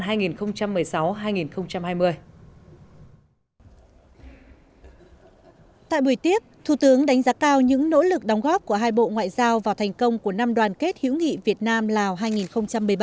tại buổi tiếp thủ tướng đánh giá cao những nỗ lực đóng góp của hai bộ ngoại giao vào thành công của năm đoàn kết hữu nghị việt nam lào hai nghìn một mươi bảy